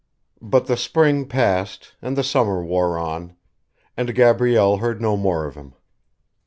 V But the spring passed, and the summer wore on, and Gabrielle heard no more of him.